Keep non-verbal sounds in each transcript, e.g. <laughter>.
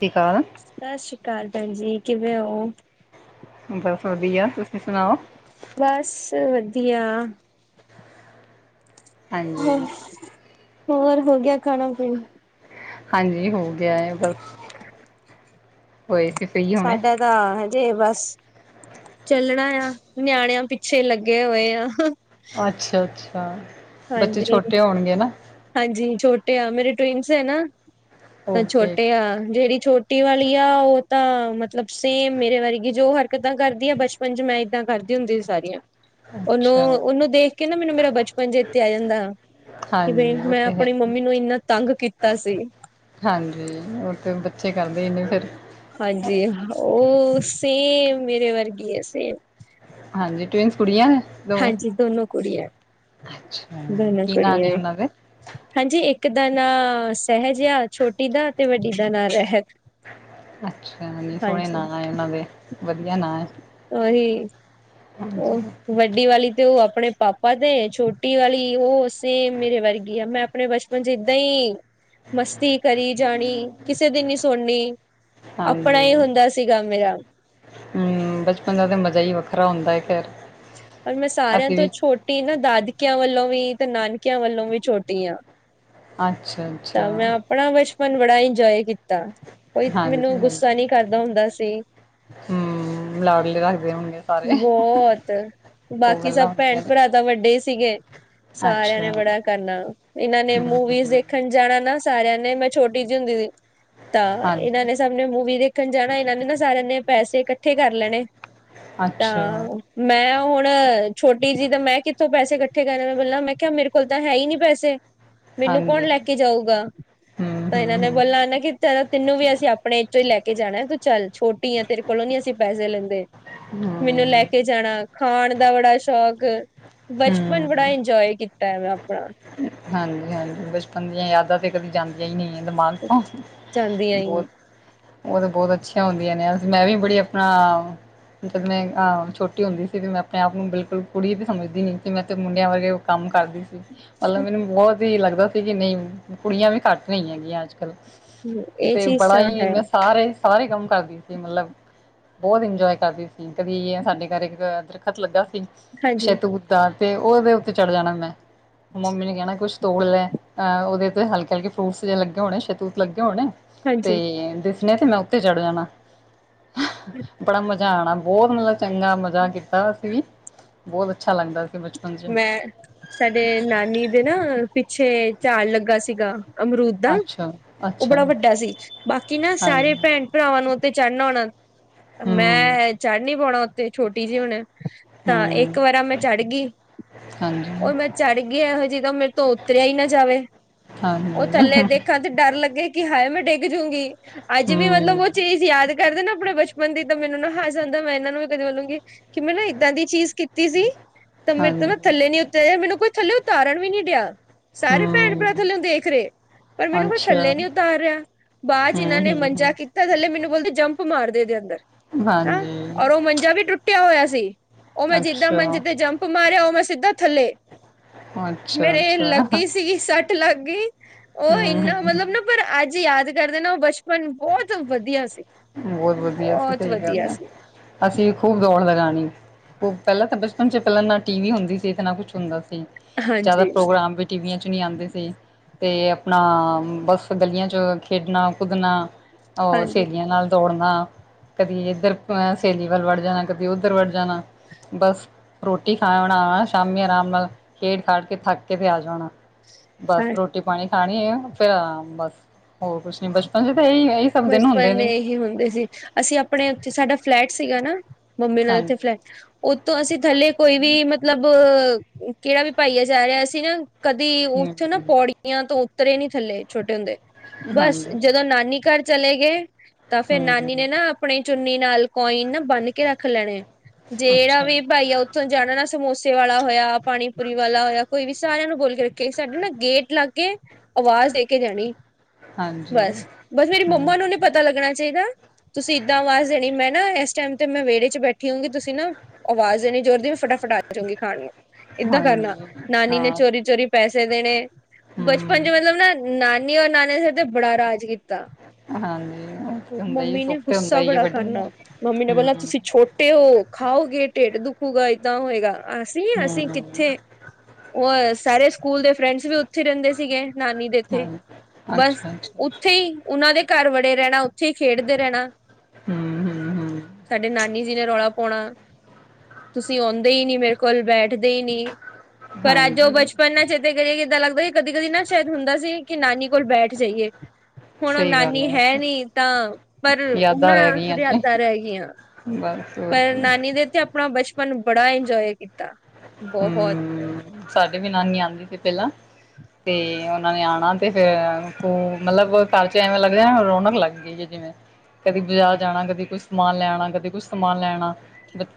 ਸੀਗਾ। ਸਤਿ ਸ੍ਰੀ ਅਕਾਲ ਭੈਣ ਜੀ, ਕਿਵੇਂ ਹੋ ਬਸ ਵਧੀਆ, ਤੁਸੀਂ ਸੁਣਾਓ ਬਸ ਵਧੀਆ ਹੋਰ, ਹਾਂਜੀ ਹੋਰ ਹੋ ਗਿਆ ਖਾਣਾ- ਪੀਣਾ ਹਾਂਜੀ ਹੋ ਗਿਆ ਹੈ ਬਸ, ਹੋਏ ਸੀ ਸਹੀ ਹੁਣੇ ਸਾਡਾ ਤਾਂ ਹਜੇ ਬਸ ਚੱਲਣਾ ਆ, ਨਿਆਣਿਆਂ ਪਿੱਛੇ ਲੱਗੇ ਹੋਏ ਆ ਅੱਛਾ-ਅੱਛਾ ਹਾਂਜੀ। ਹੋਣਗੇ ਨਾ। ਹਾਂਜੀ ਛੋਟੇ ਆ ਮੇਰੇ ਟਵਿਨਸ ਐ ਨਾ, ਤਾਂ ਓਕੇ ਛੋਟੇ ਆ ਜਿਹੜੀ ਛੋਟੀ। ਟੀ ਵਾਲੀ ਆ ਉਹ ਤਾਂ ਮਤਲਬ ਸੇਮ ਮੇਰੇ ਵਰਗੀ ਜੋ ਹਰਕਤਾਂ ਕਰਦੀ ਆ ਬਚਪਨ। ਪਜ' ਮੈਂ ਇੱਦਾਂ ਕਰਦੀ ਹੁੰਦੀ ਸੀ ਸਾਰੀਆਂ। ਅੱਛਾ ਉਹਨੂੰ-ਉਹਨੂੰ ਦੇਖ ਕੇ ਨਾ ਮੈਨੂੰ ਮੇਰਾ ਬਚਪਨ ਚੇਤੇ ਆ ਜਾਂਦਾ। ਕਿ ਬਈ ਹਾਂਜੀ ਉਹ ਮੈਂ ਤੇ ਹੈ ਆਪਣੀ ਹੀ ਮੰਮੀ ਨੂੰ ਇੰਨਾ ਤੰਗ ਕੀਤਾ ਸੀ। ਹਾਂਜੀ, ਉਹ ਤੇ ਬੱਚੇ ਕਰਦੇ ਈ ਨੇ ਫੇਰ। ਹਾਂਜੀ, ਓਹ ਸੇਮ ਮੇਰੇ ਵਰਗੀ ਏ ਸੇਮ। ਹਾਂਜੀ ਟਵਿੰਨਸ ਕੁੜੀਆਂ ਨੇ? ਦੋਵੇਂ, ਹਾਂਜੀ ਦੋਨੋ ਕੁੜੀਆਂ ਹਾਂ ਜੀ ਦੋਨੋ ਕੀ ਨਾਂ ਕੁੜੀਆਂ ਨੇ ਹੈ ਉਹਨਾਂ ਦੇ? ਹਾਂਜੀ ਇੱਕ ਦਾ ਨਾਂ ਸਹਿਜ ਏ ਆ ਛੋਟੀ ਦਾ ਤੇ ਵੱਡੀ ਦਾ ਨਾਂ ਰਹਿਤ। ਅੱਛਾ ਇੰਨੇ ਸੋਹਣੇ ਹਾਂਜੀ ਨਾਂ ਐ ਇਹਨਾਂ ਦੇ, ਵਧੀਆ ਨਾਂ ਐ। ਉਹੀ ਉਹ, ਵੱਡੀ ਵਾਲੀ ਤੇ ਉਹ ਆਪਣੇ। ਪਾਪਾ ਤੇ ਆ ਛੋਟੀ ਵਾਲੀ ਉਹ ਸੇਮ ਮੇਰੇ ਵਰਗੀ ਆ ਮੈਂ ਆਪਣੇ ਬਚਪਨ ਚ ਏਦਾਂ ਈ। ਮਸਤੀ ਕਰੀ ਜਾਣੀ, ਕਿਸੇ ਦੀ ਨਹੀ ਸੁਣਨੀ। ਆਪਣਾ ਹੀ ਹਾਂਜੀ ਹੁੰਦਾ ਸੀਗਾ ਮੇਰਾ। ਹਮ, ਬਚਪਨ ਦਾ ਤਾਂ ਮਜ਼ਾ ਹੀ ਵੱਖਰਾ ਹੁੰਦਾ ਹੈ ਖੈਰ। ਪਰ ਮੈਂ ਸਾਰਿਆਂ ਅਸੀਂ ਤੋਂ ਵੀ ਛੋਟੀ ਨਾ ਦਾਦਕਿਆਂ ਵੱਲੋਂ ਵੀ ਤੇ ਨਾਨਕਿਆਂ ਵੱਲੋਂ ਵੀ ਛੋਟੀ ਹਾਂ। ਅੱਛਾ ਜੀ। ਤਾਂ ਮੈਂ ਆਪਣਾ ਬਚਪਨ ਬੜਾ ਇੰਜੋਏ ਕੀਤਾ। ਕੋਈ ਹਾਂਜੀ ਮੈਨੂੰ ਗੁੱਸਾ ਹਾਂਜੀ ਨਹੀਂ ਕਰਦਾ ਹੁੰਦਾ ਸੀ। ਹਮ, ਲਾਡਲੇ ਰੱਖਦੇ ਹੋਣਗੇ। ਸਾਰੇ ਬਹੁਤ, ਉਹ ਬਾਕੀ ਗੱਲਾਂ ਸਭ ਭੈਣ ਹੁੰਦੀਆਂ ਨੇ ਭਰਾ। ਤਾਂ ਵੱਡੇ ਸੀਗੇ, ਸਾਰਿਆਂ ਨੇ ਅੱਛਾ ਬੜਾ ਕਰਨਾ, ਇਹਨਾਂ ਨੇ ਮੂਵੀਜ਼ ਹਮ ਦੇਖਣ। ਜਾਣਾ ਨਾ ਸਾਰਿਆਂ ਨੇ ਮੈਂ ਛੋਟੀ ਜਿਹੀ ਹੁੰਦੀ ਸੀ, ਤਾਂ ਇਹਨਾਂ ਹਾਂਜੀ ਨੇ। ਸਭ ਨੇ ਮੂਵੀ ਦੇਖਣ ਜਾਣਾ ਇਹਨਾਂ ਨੇ ਨਾ ਸਾਰਿਆਂ ਨੇ ਪੈਸੇ ਇਕੱਠੇ ਕਰ ਲੈਣੇ। ਅੱਛਾ ਤਾਂ, ਮੈਂ ਹੁਣ ਛੋਟੀ ਜੀ ਤਾਂ ਮੈਂ ਕਿੱਥੋਂ ਪੈਸੇ ਇਕਠੇ। ਕਠੇ ਕਰਾ ਮੈ ਪਹਿਲਾਂ ਮੈਂ ਕਿਹਾ ਮੇਰੇ ਕੋਲ ਤਾਂ ਹੈ ਈ ਨੀ ਪੈਸੇ। ਮੈਨੂੰ ਕੌਣ ਹਾਂਜੀ ਲੈ ਕੇ ਜਾਊਗਾ, ਹਮ ਤਾਂ ਇਹਨਾਂ ਨੇ ਹਮ ਬੋਲ ਆ ਨਾ ਕਿ। ਚੱਲ, ਤੈਨੂੰ ਵੀ ਅਸੀਂ ਆਪਣੇ ਵਿਚੋਂ ਈ ਲੈ ਕੇ ਜਾਣਾ ਤੂੰ ਚੱਲ ਛੋਟੀ ਆ ਤੇਰੇ ਕੋਲੋਂ ਨੀ ਅਸੀਂ ਪੈਸੇ ਲੈਂਦੇ। ਹੂੰ। ਮੈਨੂੰ ਲੈ ਕੇ ਜਾਣਾ, ਖਾਣ ਦਾ ਬੜਾ ਸ਼ੌਕ, ਬਚਪਨ ਬੜਾ ਹਮ ਇੰਜੋਇ ਕੀਤਾ। ਟਾਈਮ ਆਪਣਾ। ਹਾਂਜੀ-ਹਾਂਜੀ ਬਚਪਨ ਦੀਆਂ ਯਾਦਾਂ ਤੇ। ਕਦੀ ਜਾਂਦੀਆਂ ਈ ਨਈਂ ਦਿਮਾਗ ਤੋਂ, ਜਾਂਦੀਆਂ ਹੀ ਬਹੁਤ। ਨੀ ਉਹ ਤੇ ਬਹੁਤ ਅੱਛੀਆਂ ਹੁੰਦੀਆਂ ਨੇ ਮੈਂ ਵੀ ਬੜੀ ਆਪਣਾ। ਜਦ ਮੈਂ ਅ ਛੋਟੀ ਹੁੰਦੀ ਸੀ ਤੇ ਮੈਂ ਆਪਣੇ-ਆਪ ਨੂੰ ਬਿਲਕੁਲ ਕੁੜੀ ਵੀ ਸਮਝਦੀ ਨਈਂ ਸੀ ਤੇ ਮੈਂ ਤਾਂ ਮੁੰਡਿਆਂ ਵਰਗੇ। ਕੰਮ ਕਰਦੀ ਸੀ। ਪਹਿਲਾ ਮੈਨੂੰ, ਬਹੁਤ ਈ ਲੱਗਦਾ ਸੀ। ਕਿ ਨਈਂ, ਕੁੜੀਆਂ ਵੀ, ਘੱਟ ਨਹੀਂ ਹੈਗੀਆਂ, ਅੱਜ-ਕੱਲ। ਇਹ ਤੇ ਚੀਜ਼ ਬੜਾ ਤਾਂ ਈ, ਹੈ ਮੈਂ ਸਾਰੇ, ਸਾਰੇ ਕੰਮ ਕਰਦੀ ਸੀ ਮਤਲਬ। ਬਹੁਤ ਇੰਜੋਏ, ਕਰਦੀ ਸੀ। ਕਦੀ ਸਾਡੇ ਘਰ, ਇੱਕ ਦਰਖਤ ਲੱਗਾ ਸੀ। ਹਾਂਜੀ ਸ਼ੇਤੂ-ਪੁੁੱਤਾ ਤੇ ਉਹਦੇ ਉੱਤੇ ਚੜ੍ਹ ਜਾਣਾ ਮੈਂ। ਮੰਮੀ ਨੇ ਕਹਿਣਾ ਕੁਛ ਤੋੜ ਲੈ, ਅ ਉਹਦੇ ਤੇ ਹਲਕੇ-ਹਲਕੇ ਫਰੂਟਸ ਜੇ ਲੱਗੇ ਹੋਣੇ, ਸ਼ਹਿਤੂਤ ਲੱਗੇ ਹੋਣੇ। ਹਾਂਜੀ ਤੇ ਦਿਸਨੇ ਤੇ ਮੈਂ ਉੱਤੇ ਚੜ ਜਾਣਾ, ਬੜਾ ਮਜ਼ਾ। ਜਾਣਾ ਬਹੁਤ ਮਤਲਬ ਚੰਗਾ ਮਜ਼ਾ ਕੀਤਾ ਅਸੀ ਵੀ, ਬਹੁਤ ਅੱਛਾ ਲੱਗਦਾ ਸੀ। ਬਚਪਨ ਚ ਮੈਂ, ਸਾਡੇ ਨਾਨੀ ਦੇ ਨਾ ਪਿੱਛੇ ਝਾੜ ਲੱਗਾ ਸੀਗਾ। ਅਮਰੂਦ ਦਾ, ਅੱਛਾ ਉਹ ਅੱਛਾ ਬੜਾ ਵੱਡਾ ਸੀ, ਬਾਕੀ ਨਾ ਸਾਰੇ ਹਾਂਜੀ ਭੈਣ ਭਰਾਵਾਂ ਨੂੰ ਉੱਤੇ ਚੜ੍ਹਨਾ ਆਣਾ, ਹਮ ਮੈਂ ਚੜ੍ਹ ਨੀ ਪਾਉਣਾ ਉੱਤੇ ਛੋਟੀ ਜਿਹੀ ਹੋਣਾ। ਤਾਂ ਹਮ ਇੱਕ ਵਾਰ ਆ ਮੈਂ ਚੜ੍ਹ ਗਈ। ਉਹ ਹਾਂਜੀ ਮੈਂ ਚੜ੍ਹ ਗਈ ਇਹੋ ਜਿਹਾ ਮੇਰੇ ਤੋਂ ਉਤਰਿਆ ਹੀ ਨਾ ਜਾਵੇ, ਉਹ ਥੱਲੇ ਹਾਂਜੀ ਦੇਖ। ਕਦ ਡਰ ਲੱਗੇ, ਕਿ ਹਾਏ ਮੈਂ ਡਿੱਗ ਜੂਗੀ। ਅੱਜ ਵੀ ਮਤਲਬ ਹਮ ਉਹ। ਚੀਜ਼ ਯਾਦ ਕਰਦੇ ਨਾ, ਆਪਣੇ ਬਚਪਨ ਦੀ। ਤਾਂ ਮੈਨੂੰ ਨਾ, ਹਾਸਾ ਆਉਦਾ। ਮੈਂ ਇਹਨਾਂ ਨੂੰ ਵੀ, ਕਦੇ ਵੋਲੂੰਗੀ। ਕਿ, ਮੈਂ ਨਾ, ਇੱਦਾਂ ਦੀ ਚੀਜ਼, ਕੀਤੀ ਸੀ। ਤਾਂ ਮੇਰੇ। ਤੋਂ ਹਾਂਜੀ, ਨਾ ਥੱਲੇ ਨੀ ਉੱਤਰਆ। ਮੈਨੂੰ ਕੋਈ ਥੱਲੇ, ਉਤਾਰਨ ਵੀ, ਨੀ ਡਿਆ। ਸਾਰੇ ਭੈਣ- ਭਰਾ ਹੂੰ, ਥੱਲਿਓ ਦੇਖ ਰਹੇ। ਪਰ ਮੈਨੂੰ, ਕੋਈ ਅੱਛਾ, ਥੱਲੇ ਨਹੀਂ, ਉਤਾਰ ਰਿਹਾ। ਬਾਅਦ ਚ, ਇਹਨਾਂ ਨੇ ਮੰਜਾ ਹੂੰ-ਹੂੰ-ਹੂੰ। ਕੀਤਾ। ਤਾਂ ਥੱਲੇ ਮੈਨੂੰ, ਬੋਲਦੇ ਜੰਪ ਮਾਰਦੇ, ਇਹਦੇ ਅੰਦਰ। ਏ, ਔਰ ਹਾਂਜੀ, ਉਹ ਮੰਜਾ ਵੀ, ਟੁੱਟਿਆ ਹੋਇਆ ਸੀ। ਉਹ ਮੈਂ, ਜਿੱਦਾਂ ਅੱਛਾ, ਮੰਜੇ ਤੇ, ਜੰਪ ਮਾਰਿਆ, ਉਹ ਮੈਂ ਸਿੱਧਾ ਥੱਲੇ। ਮੇਰੇ, ਅੱਛਾ-ਅੱਛਾ। ਲੱਗੀ ਸੀ, ਸੱਟ। ਲੱਗ ਗਈ। ਉਹ ਇੰਨਾ, ਹੂੰ-ਹੂੰ-ਹੂੰ, ਮਤਲਬ ਨਾ, ਪਰ ਅੱਜ ਯਾਦ ਕਰਦੇ, ਨਾ ਉਹ ਬਚਪਨ। ਮਨੂੰ ਬਹੁਤ ਵਧੀਆ ਸੀ। ਬਹੁਤ ਵਧੀਆ ਸੀ, ਬਹੁਤ ਸਹੀ ਗੱਲ ਵਧੀਆ ਐ। ਸੀ। ਅਸੀਂ, ਖੂਬ ਦੌੜ ਲਗਾਨੀ। ਖੂਬ, ਪਹਿਲਾਂ ਤਾਂ ਬਚਪਨ ਚ, ਪਹਿਲਾਂ ਨਾ ਟੀਵੀ, ਹੁੰਦੀ ਸੀ। ਨਾ ਕੁਛ ਹੁੰਦਾ ਸੀ। ਜ਼ਿਆਦਾ ਹਾਂਜੀ, ਪ੍ਰੋਗਰਾਮ ਵਿੱਚ। ਟੀਵੀਆਂ ਚ, ਨਹੀਂ ਆਉਂਦੇ ਸੀ। ਤੇ ਆਪਣਾ, ਬਸ ਗਲੀਆਂ ਚ, ਖੇਡਣਾ- ਕੁਦਣਾ। ਉਹ ਹਾਂਜੀ ਸਹੇਲੀਆਂ ਨਾਲ, ਦੌੜਨਾ। ਕਦੀ ਇੱਧਰ ਅ ਸਹੇਲੀ ਵੱਲ, ਵੜ ਜਾਣਾ। ਕ- ਦੀ ਉਧਰ, ਵੜ ਜਾਣਾ ਬਸ। ਰੋਟੀ ਖਾ ਹੋਣਾ, ਸ਼ਾਮੀ ਆਰਾਮ ਨਾਲ ਖੇਡ-ਖਾਡ ਕੇ, ਥੱਕ ਕੇ, ਤੇ ਆ ਜਾਣਾ। ਬਸ ਹਾਂ ਰੋਟ ਰੋਟੀ-ਪਾਣੀ, ਖਾਣੀ ਐ, ਫੇਰ ਅਰਾਮ ਬਸ, ਹੋਰ ਕੁਛ ਨੀ, ਬਚਪਨ ਚ ਤਾਂ ਇਹੀ ਇਹੀ ਸਭ ਦਿਨ ਹੁੰਦੇ ਬਚਪਨ ਦੇ, ਨੇ ਏ ਹੀ, ਹੁੰਦੇ ਸੀ। ਅਸੀਂ, ਆਪਣੇ ਉੱਥੇ, ਸਾਡਾ ਫਲੈਟ ਸੀਗਾ ਨਾ। ਮੰਮੀ ਨਾਲ਼ ਚ ਤੇ ਫਲੈਟ ਹਾਂਜੀ ਉਤੋਂ ਅਸੀਂ, ਥੱਲੇ ਕੋਈ ਵੀ, ਮਤਲਬ, ਕਿਹੜਾ ਵੀ ਭਾਈ ਆ ਜਾ ਰਿਹਾ, ਅਸੀਂ ਨਾ ਕਦੀ ਉੱਥੇ ਨਾ, ਹਮ ਪੌੜੀਆਂ ਤੋਂ ਉਤਰੇ ਨੀ, ਥੱਲੇ ਛੋਟੇ ਹੁੰਦੇ। ਬਸ, ਹਾਂਜੀ ਜਦੋਂ ਨਾਨੀ ਘਰ ਚਲੇ ਗਏ, ਤਾਂ ਫੇਰ ਨਾਨੀ ਹੂੰ, ਨੇ, ਨਾ ਆਪਣੀ ਚੁੰਨੀ, ਨਾਲ ਕੋਇਨ ਨਾ, ਬੰਨ ਕੇ ਰੱਖ ਲੈਣੇ, ਜਿਹੜਾ ਅੱਛਾ ਵੀ ਭਾਈ ਆ ਓ ਉੱਥੋਂ ਜਾਣਾ ਨਾ, ਸਮੋਸੇ ਵਾਲਾ ਹੋਇਆ, ਪਾਣੀਪੂਰੀ ਵਾਲਾ ਹੋਇਆ, ਕੋਈ ਵੀ ਸਾਰਿਆਂ ਨੂੰ ਬੋਲ ਕੇ ਰੱਖੇ। ਸਾਡੇ ਨਾ ਗੇਟ ਲਾਗੇ। ਆਵਾਜ਼ ਦੇ, ਕੇ ਜਾਣੀ। ਹਾਂਜੀ ਬਸ, ਹੂੰ, ਬਸ ਮੇਰੀ ਮੰਮਾ, ਨੂੰ ਹਾਂਜੀ ਨਹੀਂ ਪਤਾ ਲੱਗਣਾ ਚਾਹੀਦਾ। ਤੁਸੀਂ ਏਦਾਂ ਆਵਾਜ਼ ਦੇਣੀ, ਮੈਂ ਨਾ ਇਸ ਟਾਈਮ। ਤੇ ਮੈਂ ਵਿਹੜੇ, ਚ ਬੈਠੀ ਹੋਊਗੀ। ਤੁਸੀਂ ਨਾ ਆਵਾਜ਼, ਦੇਣੀ ਜੋਰ ਦੀ, ਮੈਂ, ਫਟਾਫਟ ਆ ਜਾਉਗੀ ਖਾਣ ਨੂੰ। ਏਦਾਂ ਕਰਨਾ। ਨਾਨੀ ਨੇ ਹਾਂ ਚੋਰੀ- ਚੋਰੀ, ਪੈਸੇ ਦੇਣੇ। ਬਚਪਨ ਚ ਹੂੰ, ਮਤਲਬ ਨਾ। ਨਾਨੀ ਔਰ ਨਾਨੇ ਸੇਰ, ਤੇ ਬੜਾ ਰਾਜ, ਕੀ- ਤਾਂ, ਹਾਂਜੀ ਉਹ ਤੇ ਹੁੰਦਾ ਹੀ ਮੰਮੀ ਨੇ, ਸੁੱਖ ਤੇ ਹੁੰਦਾ ਗੁੱਸਾ ਹੀ ਹੈ ਬੜਾ ਵੱਡਿਆਂ ਦਾ ਕਰਨਾ। ਮੰਮੀ ਨੇ ਬੋਲਣਾ, ਹੂੰ, ਤੁਸੀਂ ਛੋ- ਟੇ ਓ, ਖਾਓਗੇ ਢਿੱਡ ਦੁਖੂਗਾ, ਏਦਾਂ ਹੋਏਗਾ। ਅਸੀਂ, ਅਸੀਂ ਹੂੰ, ਕਿੱਥੇ। ਉਹ ਸਾਰੇ, ਸਕੂਲ ਦੇ ਫਰੈਂਡਸ ਵੀ, ਉੱਥੇ ਰਹਿੰਦੇ ਸੀਗੇ। ਨਾਨੀ ਦੇ ਇੱਥੇ। ਹਾਂਜੀ ਬਸ, ਅੱਛਾ ਅੱਛਾ ਉੱਥੇ ਹੀ, ਉਹਨਾਂ ਦੇ ਘਰ, ਵੜੇ ਰਹਿਣਾ। ਉੱਥੇ ਹੀ, ਖੇਡਦੇ ਰਹਿਣਾ। ਹੂੰ, ਹੂੰ, ਹੂੰ ਸਾਡੇ, ਨਾਨੀ ਜੀ ਨੇ, ਰੌਲਾ ਪਾਉਣਾ। ਤੁਸੀਂ, ਆਉਂਦੇ ਹੀ ਨੀ, ਮੇਰੇ ਕੋਲ, ਬੈਠਦੇ ਹੀ ਨਹੀਂ। ਪਰ ਅੱਜ, ਉਹ ਹਾਂਜੀ ਬਚਪਨ ਨਾ, ਚੇਤੇ ਕਰੀਏ। ਕਿੱਦਾਂ ਲੱਗਦਾ ਕਿ ਕਦੀ- ਕਦੀ, ਨਾ ਸ਼ਾਇਦ ਹੁੰਦਾ ਸੀ, ਕਿ ਨਾਨੀ। ਕੋਲ ਬੈਠ ਜਾਈਏ। ਹੁਣ ਉਹ ਸਹੀ ਗੱਲ ਨਾਨੀ, ਹੈ ਨੀ। ਤਾਂ, ਪਰ, ਯਾਦਾਂ ਰਹਿ ਉਹਨਾਂ ਫੇਰ ਗਈਆਂ ਨੇ ਯਾਦਾ ਰਹਿ ਗਈਆਂ। ਬਸ। ਹੋਰ ਪਰ ਕੀ ਨਾਨੀ ਦੇ ਇੱਥੇ ਆਪਣਾ ਬਚਪਨ, ਬੜਾ ਇੰਜੋਏ ਕੀਤਾ। ਬਹੁਤ ਹੂੰ, ਸਾਡੇ ਵੀ ਨਾਨੀ ਆਂਦੀ ਸੀ, ਪਹਿਲਾਂ ਤੇ ਉਹਨਾਂ ਨੇ ਆਉਣਾ। ਤੇ ਫੇਰ, ਤੁ ਮਤਲਬ ਘਰ ਚ ਐਵੇਂ ਲੱਗ ਰਿਹਾ, ਰੌਣਕ ਲੱਗਦੀ। ਜਿਵੇਂ ਕਦੇ, ਬਾਜ਼ਾਰ ਜਾਣਾ, ਕਦੀ ਕੁਛ ਸਮਾਨ ਲੈਣਾ, ਕਦੀ ਕੁਛ ਸਮਾਨ ਲੈਣਾ।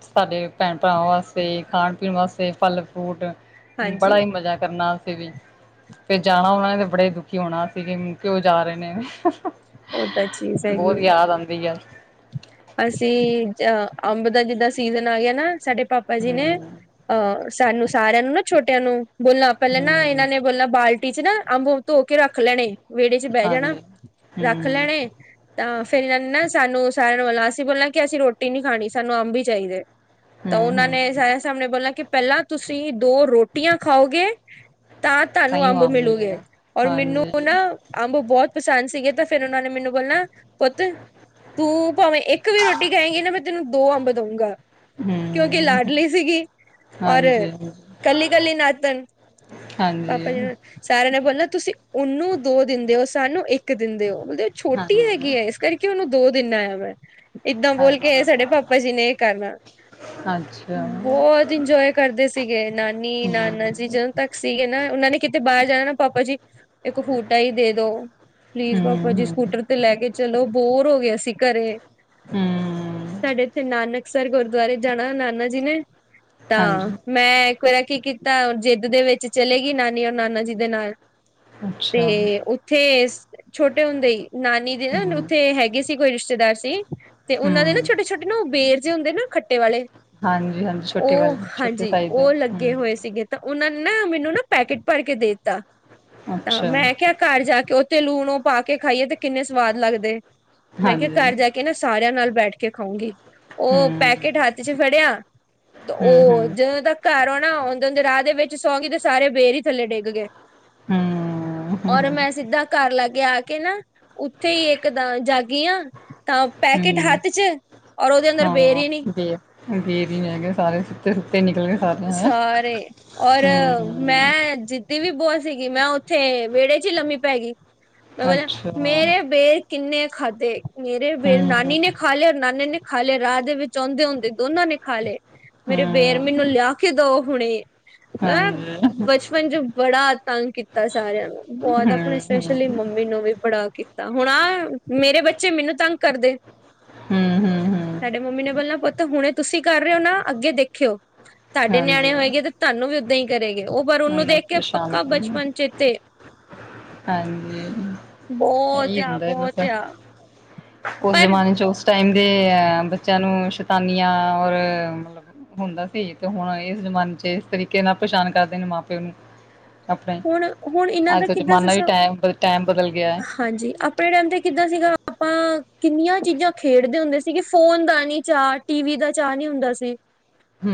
ਸਾਡੇ ਭੈਣ- ਭਰਾਵਾਂ, ਵਾਸਤੇ। ਖਾਣ- ਪੀਣ, ਵਾਸਤੇ। ਅਤੇ ਫੱਲ- ਫਰੂਟ, ਹਾਂਜੀ ਬੜਾ ਹੀ ਮਜ਼ਾ, ਕਰਨਾ ਅਸੀਂ ਵੀ। ਫੇਰ ਜਾਣਾ, ਉਹਨਾ ਨੇ, ਬੜੇ ਦੁਖੀ ਹੋਣਾ। ਫੇਰ ਜਿਵੇਂ ਕਿਉਂ, ਜਾ ਰਹੇ ਨੇ। ਉਹ ਤਾਂ, ਚੀਜ਼ ਹੈਗੀ। ਬਹੁਤ ਯਾਦ ਆਉਂਦੀ ਹੈ ਅਸੀਂ। ਜ ਅੰਬ ਦਾ, ਜਿੱਦਾਂ ਸੀਜਨ ਆ, ਗਿਆ। ਨਾ ਸਾਡੇ ਪਾਪਾ, ਜੀ ਨੇ। ਹਮ ਅਹ ਸਾਨੂੰ, ਸਾਰਿਆਂ ਨੂੰ, ਨਾ ਛੋਟਿਆਂ ਨੂੰ, ਬੋਲਣਾ ਪਹਿਲਾਂ ਨਾ, ਹਮ ਇਹਨਾਂ ਨੇ। ਮਤਲ ਬਾਲਟੀ'ਚ ਨਾ, ਅੰਬ-ਉਂਬ ਧੋਕੇ ਰੱਖ ਲੈਣੇ, ਵਿਹੜੇ'ਚ ਬਹਿ ਜਾਣਾ ਹਾਂਜੀ ਰੱਖ ਹਮ ਲੈਣੇ। ਤਾਂ, ਫਿਰ ਜਨਾਂ ਨੇ ਨਾ, ਸਾਨੂੰ ਸਾਰਿਆਂ ਨੂੰ ਬੋਲਣਾ, ਅਸੀਂ ਬੋਲਣਾ ਕਿ ਅਸੀਂ ਰੋਟੀ ਨੀ ਖਾਣੀ, ਸਾਨੂੰ ਅੰਬ ਹੀ ਚਾਹੀਦੇ। ਤਾਂ ਹਮ ਉਹਨਾਂ ਨੇ ਹਮ ਸਾਰਿਆਂ ਸਾਹਮਣੇ ਬੋਲਣਾ ਕਿ, ਪਹਿਲਾਂ ਤੁਸੀਂ ਦੋ ਰੋਟੀਆਂ ਖਾਓਗੇ ਤਾਂ, ਤੁਹਾਨੂੰ ਤਾਂਹੀਓ ਅੰਬ ਆਮ ਮਿਲੂਗੇ, ਮਿਲੇਗਾ ਔਰ ਮੈਨੂੰ ਹਾਂਜੀ ਨਾ ਅੰਬ ਬਹੁਤ ਪਸੰਦ ਸੀਗੇ ਤਾਂ, ਫਿਰ ਉਹਨਾਂ ਨੇ ਮੈਨੂੰ ਬੋਲਣਾ ਪੁੱਤ। ਤੂੰ, ਭਾਵੇਂ ਇੱਕ ਵੀ ਰੋਟੀ ਖਾਏਂਗੀ ਨਾ, ਮੈਂ ਤੈਨੂੰ ਦੋ ਅੰਬ ਦਊਂਂਗਾ। ਕਿਉਂਕਿ ਹਮ ਲਾਡਲੀ ਸੀਗੀ, ਔਰ ਹਾਂਜੀ ਹਾਂਜੀ ਕੱਲੀ-ਕੱਲੀ ਨਾਤਨ। ਹਾਂਜੀ। ਪਾਪਾ ਜੀ ਨੇ ਸਾਰਿਆਂ ਨੇ ਬੋਲਣਾ ਤੁਸੀਂ, ਉਹਨੂੰ ਦੋ ਦਿੰਦੇ ਹੋ। ਸਾਨੂੰ ਇੱਕ ਦਿੰਦੇ ਹੋ, ਮਤਲਬ ਛੋਟੀ ਹਾਂਜੀ, ਹੈਗੀ ਏ, ਇਸ ਕਰਕੇ ਉਹਨੂੰ ਦੋ ਦਿਨਾਂ ਯਾਂ, ਮੈਂ। ਇਹਦਾਂ ਬੋਲ ਕੇ, ਸਾਡੇ ਭਾਪਾਜੀ ਨੇ ਇਹ ਕਰਨਾ। ਅੱਛ ਬਹੁਤ ਇੰਜੋਏ ਕਰਦੇ ਸੀਗੇ। ਹੂੰ, ਨਾਨੀ-ਨਾਨਾ ਜੀ ਹੂੰ, ਜਦ ਤੱਕ ਸੀਗੇ ਨਾ, ਉਹਨਾਂ ਨੇ ਕਿਤੇ ਬਾਹਰ ਜਾਣਾ ਨਾ, ਪਾਪਾਜੀ ਇੱਕ ਫੂਟਾ ਹੀ ਦੇਦੋ ਪਲੀਜ਼ ਹੂੰ, ਟਰ ਤੇ ਲੈਕੇ ਚਲੋ, ਬੋਰ ਹੋਗੇ ਅਸੀ ਘਰੇ। ਹੂੰ, ਸਾਡੇ ਇੱਥੇ ਨਾਨਕ ਅਕਸਰ ਗੁਰਦੁਆਰੇ ਜਾਣਾ ਨਾਨਾ ਜੀ ਨੇ, ਤਾਂ ਹਾਂਜੀ। ਮੈਂ, ਇਕ ਵਾਰ ਕੀ ਕੀਤਾ, ਜਿੱਦ ਦੇ ਵਿੱਚ ਚਲੇਗੀ ਨਾਨੀ ਔਰ ਨਾਨਾ ਜੀ ਦੇ ਨਾਲ ਅੱਛਾ, ਤੇ, ਹੂੰ, ਉੱਥੇ ਛੋਟੇ ਹੁੰਦੇ ਹੀ ਨਾਨੀ ਉੱਥੇ ਹੈਗੇ ਸੀ, ਕੋਈ ਰਿਸ਼ਤੇਦਾਰ ਤੇ, ਉਹਨਾਂ ਦੇ ਨਾ ਹੂੰ। ਛੋਟੇ-ਛੋਟੇ ਨਾ ਬੇਰ ਜੇ ਹੁੰਦੇ ਨਾ, ਓ ਖੱਟੇ ਵਾਲੇ ਹਾਂਜੀ, ਹਾਂਜੀ ਛੋਟੇ ਵਾਲੇ ਉਹ, ਛੋਟੇ ਹਾਂਜੀ। ਸਾਈਜ਼ ਦੇ ਉਹ, ਲੱਗੇ ਹੂੰ ਹੋਏ ਸੀਗੇ। ਤਾਂ ਉਹਨਾਂ ਨੇ ਨਾ, ਮੈਨੂੰ ਨਾ ਪੈਕੇਟ ਭਰ ਕੇ ਦੇਤਾ, ਤਾਂ, ਅੱਛਾ। ਮੈਂ ਕਿਹਾ ਘਰ ਜਾਕੇ ਉੱਥੇ ਲੂਣ ਉਹ ਪਾਕੇ ਖਾਈਏ ਤੇ, ਕਿੰਨੇ ਸਵਾਦ ਲੱਗਦੇ, ਮੈਂ, ਕਿਹਾ ਹਾਂਜੀ, ਘਰ ਜਾਕੇ ਕੇ ਨਾ ਸਾਰਿਆਂ ਨਾਲ ਬੈਠਕੇ ਖਾਊਂਂਗੀ। ਹੂੰ, ਉਹ ਹੂੰ, ਪੈਕੇਟ ਹੱਥ'ਚ ਫੜਿਆ, ਹੂੰ, ਉਹ, ਹੂੰ, ਹੂੰ। ਜਦੋਂ ਤੱਕ ਘਰ ਆਓਣਾ, ਆਉਂਦੇ-ਆਂਓਦੇ ਰਾਹ ਦੇ ਵਿੱਚ ਸੌਂ ਗਈ ਤੇ ਸਾਰੇ, ਬੇਰ ਹੀ ਥੱਲੇ ਡਿੱਗ ਗਏ। ਔਰ, ਮੈਂ ਸਿੱਧਾ ਘਰ ਲਾਗੇ ਆ ਕੇ ਨਾ, ਉੱਥੇ ਹੀ ਇੱਕਦ ਜਾਗੀ ਹਾਂ, ਤਾਂ ਪੈਕੇਟ ਹੂੰ, ਹੱਥ'ਚ ਹਾਂ, ਦੇ ਦੇਰ ਹੀ ਹੈਗੇ, ਸਾਰੇ ਸੁੱਤੇ- ਸੁੱਤੇ ਨਿਕਲ ਗਏ ਸਾਰਿਆਂ ਹੈ। ਸਾਰੇ ਔਰ, ਮੈਂ ਜਿੱਦੀ ਵੀ ਬੋਤ ਸੀਗੀ। ''ਮੈਂ ਉੱਥੇ ਵਿਹੜੇ'ਚ ਹੀ ਲੰਮੀ ਪੈਗੀ। ਮੈਂ ਬੋਲਿਆ, ਅੱਛਾ, ਮੇਰੇ ਬੇਰ ਕਿੰਨੇ ਖਾਧੇ, ਮੇਰੇ ਬੇਰ ਹੂੰ, ਨਾਨੀ ਨੇ ਖਾਲੇ ਔਰ ਨਾਨੇ ਨੇ ਖਾ ਲਏ, ਰਾਹ ਦੇ ਵਿੱਚ ਆਉਂਦੇ ਹੁੰਦੇ, ਦੋਨਾਂ ਨੇ ਖਾ ਲਏ। ਮੇਰੇ ਬੇਰ ਹੂੰ। ਮੈਨੂੰ ਲਿਆ ਕੇ ਦਓ, ਹੁਣੇ। ਅ <unintelligible> ਹਾਂਜੀ ਮ ਬੜਾ ਤੰਗ ਕੀਤਾ ਸਾਰਿਆਂ ਨੂੰ, ਬਹੁਤ, ਆਪਣੇ ਹੂੰ-ਹੂੰ, ਸਪੈਸ਼ਲੀ ਮੰਮੀ ਮੈਨੂੰ ਵੀ ਬੜਾ ਕੀਤਾ। ਹੁਣ ਆ, ਮੇਰੇ ਬੱਚੇ, ਮੈਨੂੰ ਤੰਗ ਕਰਦੇ। ਹੂੰ, ਹੂੰ ਸਾਡੇ ਮੰਮੀ ਨੇ ਬੋਲਣਾ, ਪੁੱਤ। ਹੁਣੇ ਤੁਸੀਂ ਕਰ ਰਹੇ ਹੋ ਨਾ, ਅੱਗੇ ਦੇਖਿਓ। ਤੁਹਾਡੇ ਹਾਂਜੀ ਨਿਆਣੇ ਹੋਏਗੇ ਤੇ ਤੁਹਾਨੂੰ ਵੀ ਓਦਾਂ ਹੀ ਕਰੇ ਗੇ, ਉਹ ਪਰ ਉਹਨੂੰ ਉਹਨਾਂ ਹੀ ਦੇਖ ਕੇ ਪਰੇਸ਼ਾਨ ਪੱਕਾ ਕਰਨਾ ਬਚਪਨ ਚੇਤੇ ਹਾਂਜੀ। ਬੋਤ ਇਹੀ ਆ, ਹੁੰਦਾ ਹੈ ਬਸ ਬੋਤ ਆ। ਉਸ ਪਰ ਜਮਾਨੇ ਚ ਉਸ ਟਾਈਮ ਦੇ ਅ ਬੱਚਿਆਂ ਨੂੰ ਸ਼ੈਤਾਨੀਆਂ ਔਰ ਮਤਲਬ ਹੁੰਦਾ ਸੀ ਤੇ, ਹੁਣ ਇਸ ਜ਼ਮਾਨੇ'ਚ ਇਸ ਤਰੀਕੇ ਨਾਲ ਪਛਾਣ ਕਰਦੇ ਨੇ, ਮਾਂ-ਪਿਓ ਨੂੰ। ਆਪਣੇ ਹੁਣ, ਹੁਣ, ਇਹਨਾਂ ਦਾ ਕਿੱਦਾਂ ਜ਼ਮਾਨਾ ਵੀ ਸਿਸਟਮ ਟਾਇਮ, ਟਾਈਮ ਬਦਲ ਗਿਆ ਹੈ। ਹਾਂਜੀ, ਆਪਣੇ ਟਾਈਮ ਤੇ ਕਿੱਦਾਂ ਸੀਗਾ, ਆਪਾਂ ਕਿੰਨੀਆਂ ਚੀਜ਼ਾਂ ਖੇਡਦੇ ਹੁੰਦੇ ਸੀਗੇ। ਫੋਨ ਦਾ ਨਹੀਂ ਚਾਰਟ ਟੀਵੀ ਦਾ ਚਾਅ ਨੀ, ਹੁੰਦਾ ਸੀ।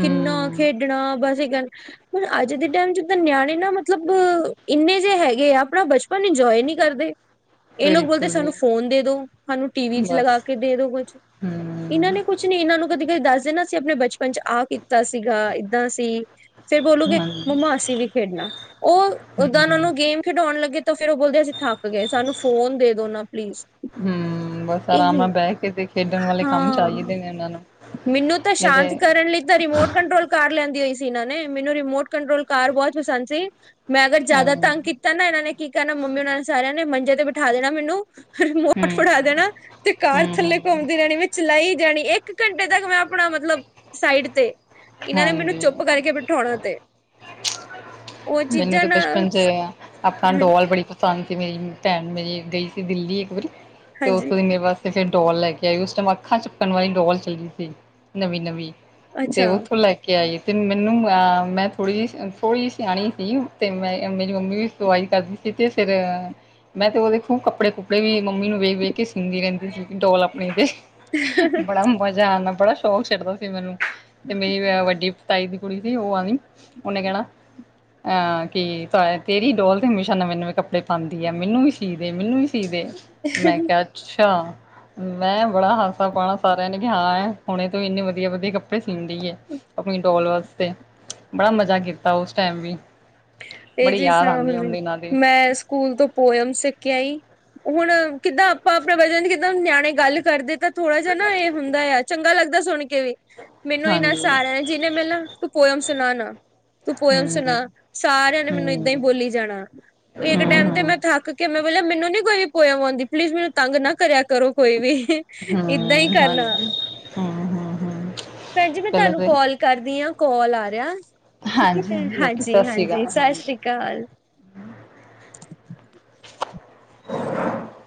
ਕਿੰਨਾ ਖੇਡਣਾ ਬਸ ਇਹ ਗੱਲ, ਹੁਣ ਅੱਜ ਦੇ ਟਾਈਮ ਜਿੱਦਾਂ ਨਿਆਣੇ ਨਾ ਮਲ ਮਤਲਬ। ਇੰਨੇ ਜਿਹੇ ਹੈਗੇ ਆ, ਆਪਣਾ ਬਚਪਨ ਇੰਜੋਏ ਨਹੀਂ ਕਰਦੇ। ਇਹ ਲੋਕ ਬੋਲਦੇ ਬਿਲਕੁਲ ਸਾਨੂੰ ਵੀ ਫੋਨ ਦੇਦੋ, ਸਾਨੂੰ ਟੀਵੀ'ਚ ਬਸ ਲਗਾਕੇ ਦੇਦੋ ਕੁਝ। ਇਹਨਾਂ ਹੂੰ ਨੇ ਕੁਛ ਨੀ, ਇਹਨਾਂ ਨੂੰ ਕਦੇ-ਕਦੇ ਦੱਸ ਦੇਣਾ ਸੀ, ਆਪਣੇ ਬਚਪਨ'ਚ ਆ, ਕੇ ਸੀਗਾ ਏਦਾਂ ਸੀ, ਫੇਰ ਬੋਲੂਗੇ, ਹਾਂਜੀ ਮੰਮਾ ਅਸੀ ਵੀ ਖੇਡਣਾ। ਉੱਦਾਂ ਉਹ ਹੂੰ ਨੂੰ ਗੇਮ ਖਿਡਾਉਣ ਲੱਗੇ ਤਾਂ ਫੇਿਰ ਉਹ ਬੋਲਦੇ ਅਸੀਂ ਥੱਕ ਗਏ, ਸਾਨੂੰ ਫੋਨ ਦੇ ਦੋ ਨਾ ਪਲੀਜ਼ ਹੂੰ, ਬਸ ਆਰਾਮ ਇਹੀ ਨਾਲ ਬਹਿ ਕੇ ਤੇ ਖੇਡਣ ਵਾਲੇ ਕੰਮ ਹਾਂ ਚਾਹੀਦੇ ਈ ਉਹਨਾਂ ਨੂੰ ਮੈਨੂੰ ਤਾਂ ਨਹੀਂ ਸ਼ਾਂਤ ਤੇ ਕਰਨ ਲਈ ਤੇ ਰਿਮੋਟ ਕੰਟਰੋਲ ਕਾਰ ਲੈਂਦੀ ਹੋਈ ਸੀ ਇਹਨਾਂ ਨੇ, ਮੈਨੂੰ ਰਿਮੋਟ ਕੰਟਰੋਲ ਕਾਰ ਬੋਤ ਪਸੰਦ ਸੀ, ਮੈਂ ਅਗਰ ਹਾਂ ਜ਼ਿਆਦਾ ਤੰਗ ਹੂੰ ਕੀਤਾ ਤਾਂ ਨਾ ਇਹਨਾਂ ਨੇ ਕੀ ਕਰਨਾ ਮੰਮੀ ਉਹਨਾਂ ਨੇ ਸਾਰਿਆਂ ਨੇ ਮੰਜੇ ਤੇ ਬਿਠਾ ਦੇਣਾ ਮੈਨੂੰ ਰਿਮੋਟ ਫੜਾ ਦੇਣਾ ਤੇ ਕਾਰ ਹੂੰ ਥੱਲੇ ਹੂੰ ਘੁੰਮਦੀ ਰਹਿਣੀ ਮ ਚਲਾਈ ਜਾਣੀ, ਇੱਕ ਘੰਟੇ ਤੱਕ ਮੈਂ ਆਪਣਾ ਮਤਲਬ ਸਾਈਡ ਤੇ ਇਹਨਾਂ ਨੇ ਮੈਨੂੰ ਚੁੱਪ ਹਾਂਜੀ ਕਰਕੇ ਬਿਠਾਉਣਾ ਤੇ ਉਹ ਮੈਨੂੰ ਚੀਜ਼ਾਂ ਤੇ ਨਾ ਬਚਪਨ ਚ ਆਪਨਾ ਡੋਲ ਬੜੀ ਪ ਸੰਦ ਸੀ ਮੇਰੀ ਪੈਣ ਮੇਰੀ ਗਈ ਸੀ ਦਿੱਲੀ ਇੱਕ ਵਾਰੀ ਤੇ ਹਾਂਜੀ ਉਥੋਂ ਦੀ ਮੇਰੇ ਵਾਸਤੇ ਤੇ ਫਿਰ ਡੋਲ ਲੈ ਕੇ ਆਈ ਉਸ ਟਾਈਮ ਅੱਖਾਂ ਚੁੱਕਣ ਵਾਲੀ ਡੋਲ ਚੱਲੀ ਸੀ ਨਵੀ-ਨਵੀ। ਤੇ ਅੱਛਾ ਓਥੋਂ ਲੈ ਕੇ ਆਈ ਤੇ ਮੈਨੂੰ ਮੈਂ ਥੋੜ੍ਹੀ ਜੀ, ਥੋੜ੍ਹੀ ਜੀ ਸਿਆਣੀ ਸੀ, ਤੇ ਮੈਂ ਮੇਰੀ ਮੰਮੀ ਵੀ ਸਵਾਈ ਕਦਦੀ ਸੀ ਤੇ ਫਿਰ ਮੈਂ ਤੇ ਉਹਦੇ ਖੂਬ ਕੱਪੜੇ ਕੁੱਪੜੇ ਵੀ ਮੰਮੀ ਨੂੰ ਵੇਖ ਵੇਖ ਕੇ ਸੀਂਦੀ ਰਹਿੰਦੀ ਸੀਗੀ ਡੋਲ ਅਪਣੀ ਦੇ। ਬੜਾ ਮਜ਼ਾ ਆਨਾ, ਬੜਾ ਸ਼ੌਕ ਛੱਡਦਾ ਸੀ ਮੈਨੂੰ ਤੇ ਮੇਰੀ ਵੱਡੀ ਤਾਈ ਦੀ ਕੁੜੀ ਸੀ, ਉਹ ਆਨੀ ਉਹਨੇ ਕਹਿਣਾ ਅਹ ਕਿ ਤੇਰੀ ਡੋਲ ਤੇ ਹਮੇਸ਼ਾ ਨਵੇਂ-ਨਵੇਂ ਕੱਪੜੇ ਪਾਂਦੀ ਐ, ਮੈਨੂੰ ਵੀ ਸੀ ਦੇ, ਮੈਨੂੰ ਵੀ ਸੀ ਦੇ, ਮੈਂ ਕਿਹਾ ਅੱਛਾ, ਮੈਂ ਬੜਾ ਹਾਸਾ ਪਾਣਾ ਸਾਰਿਆਂ ਨੇ ਕਿ ਹਾਂ ਹੁਣੇ ਤੋਂ ਇੰਨੇ ਵਧੀਆ-ਵਧੀਆ ਕੱਪੜੇ ਸਿੰਦੀ ਏ ਆਪਣੀ ਡੋਲ ਵਾਸਤੇ, ਬੜਾ ਮਜ਼ਾ ਕੀਤਾ ਓਸ ਟਾਈਮ ਵੀ। ਬੜੀ ਇਹ ਯਾਦ ਆਂਦੀ ਉਨ <unintelligible> ਦਿਨਾਂ ਦੀ ਮੈਂ ਸਕੂਲ ਤੋਂ ਪੋਇਮ ਸਿੱਖ ਕੇ ਆਈ, ਹੁਣ ਕਿੱਦਾਂ ਆਪਾਂ ਆਪਣਾ ਵਚਨ ਦੀ ਕਿੱਦਾਂ ਨਿਆਣੇ ਗੱਲ ਕਰਦੇ ਤਾਂ ਥੋੜਾ ਜਿਹਾ ਨਾ ਇਹ ਹੁੰਦਾ ਆ, ਚੰਗਾ ਲੱਗਦਾ ਸੁਣ ਕੇ ਵੀ ਮੈਨੂੰ ਇਨਾਂ ਹਾਂਜੀ ਹੂੰ। ਸਾਰਿਆਂ ਨੇ, ਜਿਨੇ ਮਿਲਨਾ ਤੂੰ ਪੋਇਮ ਸੁਨਾ ਨਾ, ਤੂੰ ਪੋਇਮ ਸੁਨਾ। ਸਾਰਿਆਂ ਨੇ ਹੂੰ, ਮੈਨੂੰ ਏਦਾਂ ਹੀ ਹੂੰ-ਹੂੰ, ਬੋਲੀ ਜਾਣਾ, ਇੱਕ ਟੈਮ ਤੇ ਮੈਂ ਥੱਕ ਫੇਰ ਮੈਂ ਬੋਲਿਆ ਮੈਨੂੰ ਨੀ ਕੋਈ ਪੋਇਮ ਆਉਂਦੀ, ਪਲੀਜ਼ ਮੈਨੂੰ ਤੰਗ ਨਾ ਕਰਿਆ ਕਰੋ ਕੋਈ ਵੀ। ਏਦਾਂ ਹੀ ਕਰਨਾ। ਹਾਂ, ਹਾਂ, ਹਾਂ। ਭੈਣ ਜੀ ਮੈਂ ਤੁਹਾਨੂੰ ਕੋਲ ਕਰਦੀ ਆਂ, ਕੋਲ ਆ ਰਿਹਾ। ਠੀਕ ਐ ਜੀ, ਹਾਂਜੀ-ਹਾਂਜੀ ਓਕੇ ਸਤਿ ਸ਼੍ਰੀ ਹਾਂਜੀ-ਹਾਂਜੀ ਅਕਾਲ ਸਤਿ ਹਾਂਜੀ। ਸ੍ਰੀ ਅਕਾਲ।